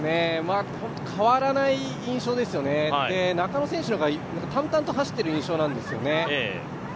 変わらない印象ですよね、中野選手の方が淡々と走っている印象なんですよね。